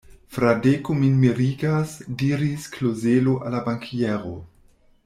Fradeko min mirigas, diris Klozelo al la bankiero.